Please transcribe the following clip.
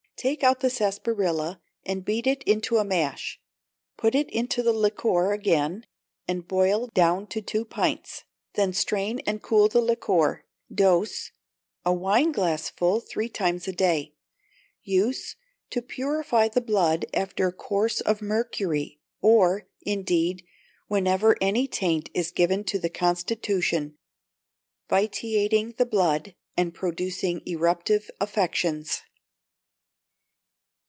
Take out the sarsaparilla, and beat it into a mash; put it into the liquor again, and boil down to two pints, then strain and cool the liquor. Dose, a wineglassful three times a day. Use to purify the blood after a course of mercury; or, indeed, whenever any taint is given to the constitution, vitiating the blood, and producing eruptive affections.